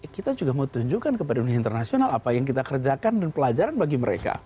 kita juga mau tunjukkan kepada dunia internasional apa yang kita kerjakan dan pelajaran bagi mereka